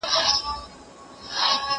زه به اوږده موده ځواب ليکلی وم!؟